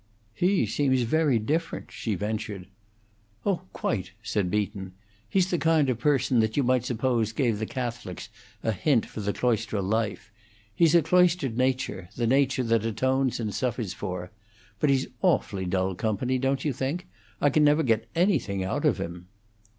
"He seems very different," she ventured. "Oh, quite," said Beaton. "He's the kind of person that you might suppose gave the Catholics a hint for the cloistral life; he's a cloistered nature the nature that atones and suffers for. But he's awfully dull company, don't you think? I never can get anything out of him."